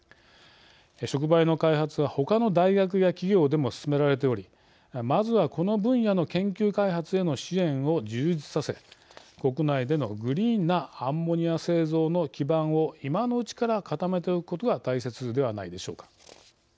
触媒の開発はほかの大学や企業でも進められておりまずはこの分野の研究開発への支援を充実させ国内でのグリーンなアンモニア製造の基盤を今のうちから固めておくことが大切ではないでしょうか。